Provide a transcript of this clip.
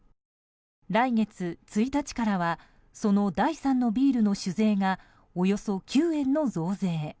来月１日からはその第三のビールの酒税がおよそ９円の増税。